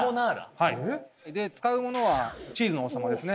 はい使うものはチーズの王様ですね